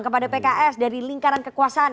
kepada pks dari lingkaran kekuasaan